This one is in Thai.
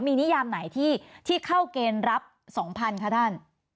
มีนิยามไหนที่เข้าเกณฑ์รับ๒๐๐๐คะท่าน